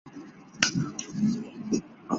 布瓦西朗贝尔维尔。